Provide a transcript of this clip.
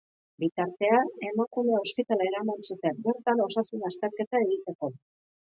Bitartean, emakumea ospitalera eraman zuten, bertan osasun-azterketa egiteko.